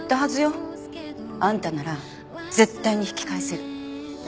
あんたなら絶対に引き返せる。